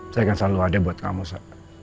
saya kan selalu ada buat kamu sa